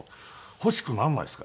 欲しくならないんですか？」